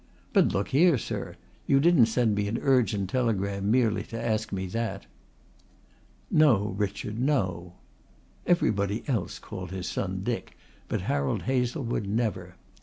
"But look here, sir! You didn't send me an urgent telegram merely to ask me that." "No, Richard, no." Everybody else called his son Dick, but Harold Hazlewood never.